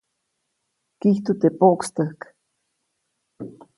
Kijtu teʼ poʼkstäjk.